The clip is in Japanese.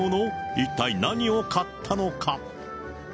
一体何を買ったのか。